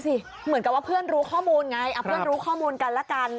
เหมือนกับว่าเพื่อนรู้ข้อมูลไงเพื่อนรู้ข้อมูลกันละกัน